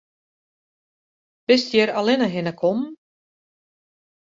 Bist hjir allinne hinne kommen?